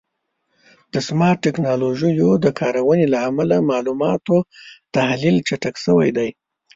د سمارټ ټکنالوژیو د کارونې له امله د معلوماتو تحلیل چټک شوی دی.